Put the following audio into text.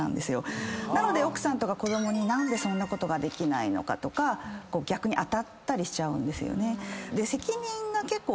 なので奥さんとか子供に何でそんなことができないのかとか逆に当たったりしちゃう。